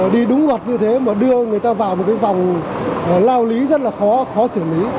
đi đúng luật như thế mà đưa người ta vào một cái vòng lao lý rất là khó khó xử lý